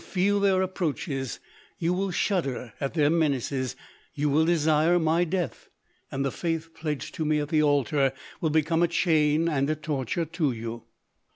181 feel their approaches; you will shudder at their menaces, you will desire my death, and the faith pledged to me at the altar will become a chain and a torture to you.